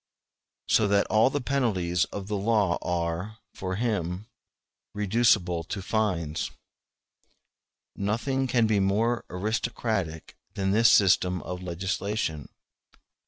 So that all the penalties of the law are, for him, reducible to fines. *n Nothing can be more aristocratic than this system of legislation.